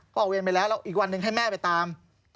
ก็ออกเวรไปแล้วแล้วอีกวันหนึ่งให้แม่ไปตาม